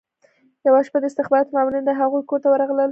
یوه شپه د استخباراتو مامورین د هغوی کور ته ورغلل